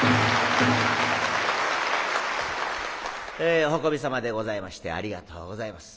えお運びさまでございましてありがとうございます。